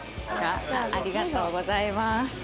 ありがとうございます。